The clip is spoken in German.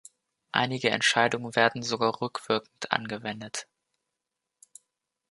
Einige Entscheidungen werden sogar rückwirkend angewendet.